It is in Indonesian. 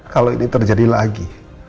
kalau ini terjadi lagi